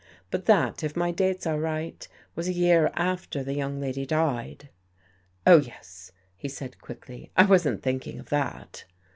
But that, if my dates are right, was a year after the young lady died." " Oh, yes," he said quickly. " I wasn't thinking of that."